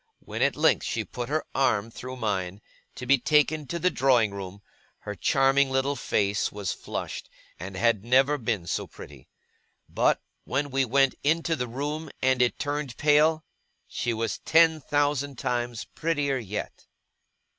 When at length she put her arm through mine, to be taken to the drawing room, her charming little face was flushed, and had never been so pretty. But, when we went into the room, and it turned pale, she was ten thousand times prettier yet.